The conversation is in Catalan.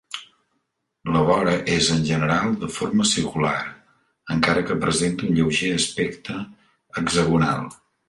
La vora és, en general, de forma circular, encara que presenta un lleuger aspecte hexagonal.